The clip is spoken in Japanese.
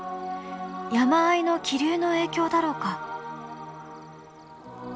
山あいの気流の影響だろうか。